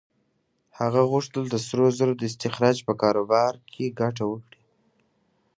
هغه غوښتل د سرو زرو د استخراج په کاروبار کې ګټه وکړي.